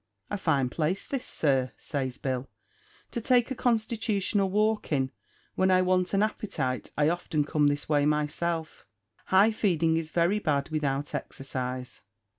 "A fine place this, sir," says Bill, "to take a constitutional walk in; when I want an appetite I often come this way myself hem! High feeding is very bad without exercise."